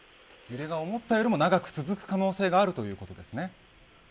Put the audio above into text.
揺れが思ったよりも長く続く可能性があるということですね。